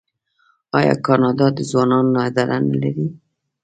آیا کاناډا د ځوانانو اداره نلري؟